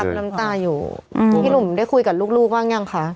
น้ำตาอยู่พี่หนุ่มได้คุยกับลูกบ้างยังคะ